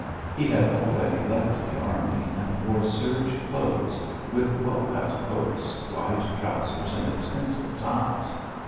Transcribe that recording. He had already left the army and wore serge clothes, with well cut coats, wide trousers, and expensive ties.